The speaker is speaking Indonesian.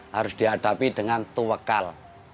harus dihadapi dengan tualekar